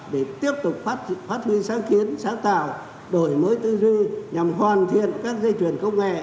để tiếp tục phát huy sáng kiến sáng tạo đổi mới tư duy nhằm hoàn thiện các dây chuyển công nghệ